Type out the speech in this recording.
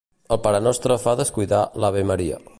El parenostre fa descuidar l'avemaria.